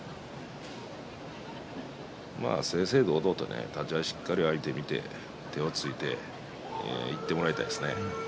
正々堂々と立ち合い、しっかりと相手を見て手をついていってもらいたいですね。